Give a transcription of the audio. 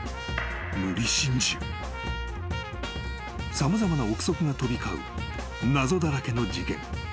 ［様々な臆測が飛び交う謎だらけの事件］